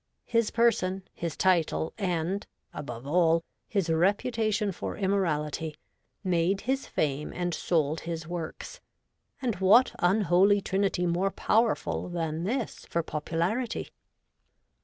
His person, his title, and (above all) his reputation for immorality made his fame and sold his works : and what unholy trinity more powerful than this for popularity